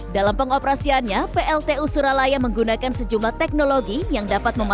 dalam pengoperasiannya pltu suralaya menggunakan sejumlah teknologi yang dapat memanfaatkan